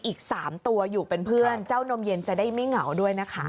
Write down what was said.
อีก๓ตัวอยู่เป็นเพื่อนเจ้านมเย็นจะได้ไม่เหงาด้วยนะคะ